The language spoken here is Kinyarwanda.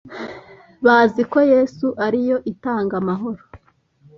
bazi ko Yesu ari yo itanga amahoro